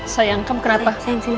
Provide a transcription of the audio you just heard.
sayang kamu kenapa